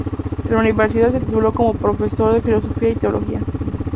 En la universidad se tituló como Profesor de Filosofía y Teología.